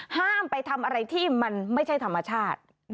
ห้ามไปทำอะไรที่มันไม่ใช่ธรรมชาติ